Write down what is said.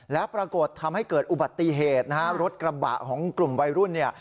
แล้วปรากฏทำให้เกิดอุบัติเหตุนะฮะรถกระบะของกลุ่มวัยรุ่นเนี่ย